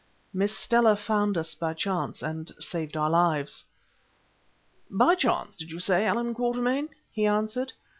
"Miss Stella found us by chance and saved our lives." "By chance, did you say, Allan Quatermain?" he answered.